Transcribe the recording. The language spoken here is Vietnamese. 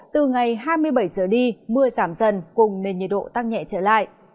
từ ngày hai mươi bảy trở đi mưa giảm dần cùng nền nhiệt độ tăng nhẹ trở lại